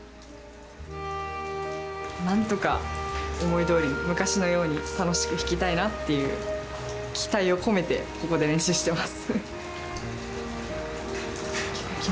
なんとか思いどおりに昔のように楽しく引きたいなっていう期待を込めてここで練習してます。